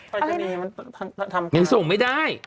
ปรายชนียังส่งไม่ได้